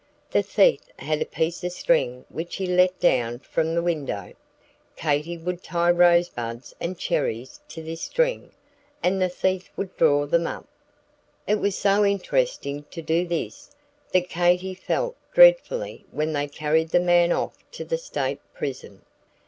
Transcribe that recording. The thief had a piece of string which he let down from the window. Katy would tie rosebuds and cherries to this string, and the thief would draw them up. It was so interesting to do this, that Katy felt dreadfully when they carried the man off to the State Prison.